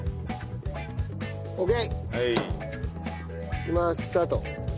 いきますスタート！